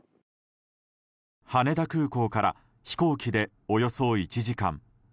羽田空港から飛行機でおよそ１時間。